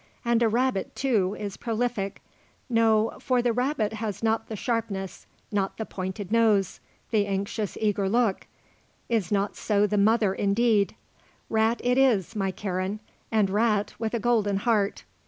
And a rabbit, too, is prolific. No; for the rabbit has not the sharpness, not the pointed nose, the anxious, eager look is not so the mother, indeed. Rat it is, my Karen; and rat with a golden heart.